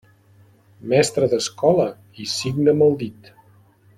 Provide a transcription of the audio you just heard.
Mestre d'escola i signa amb el dit.